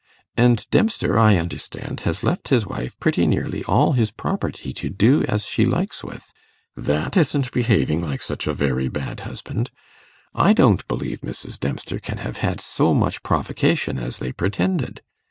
And Dempster, I understand, has left his wife pretty nearly all his property to do as she likes with; that isn't behaving like such a very bad husband. I don't believe Mrs. Dempster can have had so much provocation as they pretended.